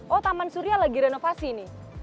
oh taman surya lagi renovasi nih